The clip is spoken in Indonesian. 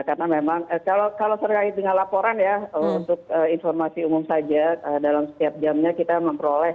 karena memang kalau terkait dengan laporan ya untuk informasi umum saja dalam setiap jamnya kita memperhatikan